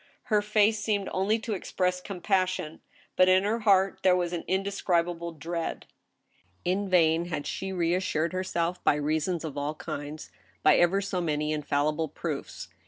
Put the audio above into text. Her face seemed THE TRIAL. 211 only to express compassion, but in her heart there was an indescrib able dread. In vain had she reassured herself by reasons of all kinds, by ever so many infallible proofs.